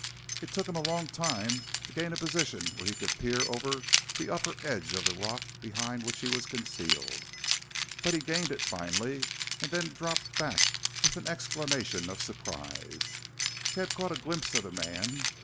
It took him a long time to gain a position where he could peer over the upper edge of the rock behind which he was concealed. But he gained it finally and then dropped back with an exclamation of surprise. He had caught a glimpse of the man.